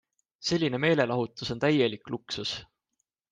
Selline meelelahutus on täielik luksus.